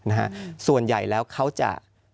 นะฮะส่วนใหญ่แล้วเขาจะ